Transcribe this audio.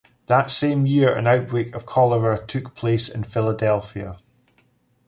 That same year an outbreak of cholera took place in Philadelphia.